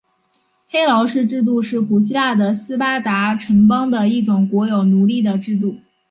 黑劳士制度是古希腊的斯巴达城邦的一种国有奴隶的制度。